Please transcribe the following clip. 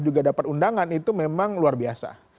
juga dapat undangan itu memang luar biasa